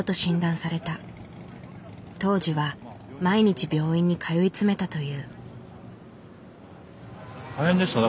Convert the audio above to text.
当時は毎日病院に通い詰めたという。